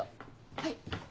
はい。